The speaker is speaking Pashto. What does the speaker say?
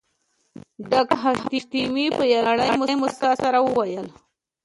ډاکټر حشمتي په يوې نرۍ مسکا سره وويل